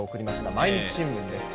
毎日新聞です。